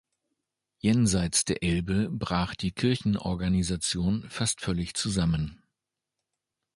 Jenseits der Elbe brach die Kirchenorganisation fast völlig zusammen.